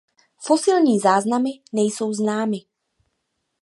Fosilní záznamy nejsou známy.